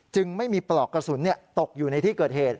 จึงไม่มีปลอกกระสุนตกอยู่ในที่เกิดเหตุ